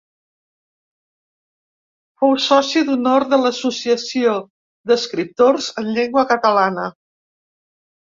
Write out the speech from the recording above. Fou soci d'honor de l'Associació d'Escriptors en Llengua Catalana.